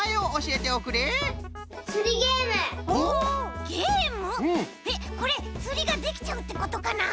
えっこれつりができちゃうってことかな？